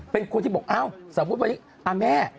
เป็นคนที่บอกอ้าวสมมุติวันนี้แม่